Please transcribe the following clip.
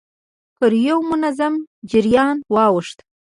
پر يوه منظم جريان واوښت.